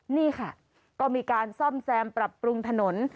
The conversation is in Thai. นี่ค่ะก็มีการซ่อมแซมปรับปรุงถนน